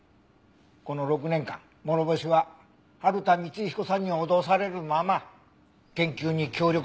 この６年間諸星は春田光彦さんに脅されるまま研究に協力させられていた。